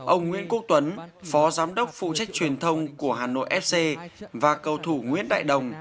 ông nguyễn quốc tuấn phó giám đốc phụ trách truyền thông của hà nội sc và cầu thủ nguyễn đại đồng